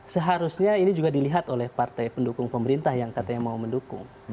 seharusnya ini juga dilihat oleh partai pendukung pemerintah yang katanya mau mendukung